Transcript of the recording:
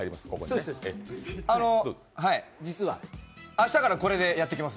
明日からこれでやってきます。